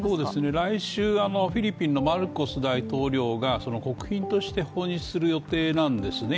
来週、フィリピンのマルコス大統領が国賓として訪日する予定なんですね。